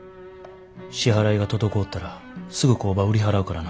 支払いが滞ったらすぐ工場売り払うからな。